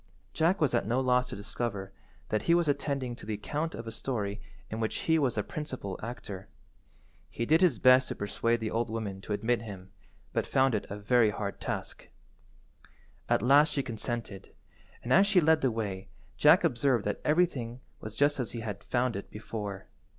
Jack was at no loss to discover that he was attending to the account of a story in which he was the principal actor. He did his best to persuade the old woman to admit him, but found it a very hard task. At last she consented, and as she led the way Jack observed that everything was just as he had found it before.